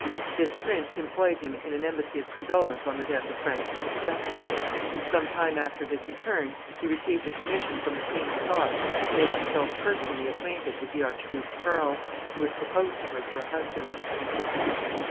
This prince employed him in an embassy of condolence on the death of Francis II. Some time after his return he received a commission from the queen of Scots to make himself personally acquainted with the archduke Charles, who was proposed to her for a husband.